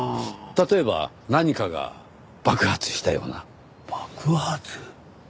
例えば何かが爆発したような。爆発？